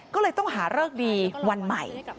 ก็เลยต้องหาเลิกดีวันใหม่